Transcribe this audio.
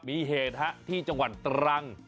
มีเหตุฮะที่จังหวัดตรัง